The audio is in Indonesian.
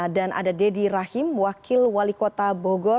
dan ada deddy rahim wakil wali kota bogor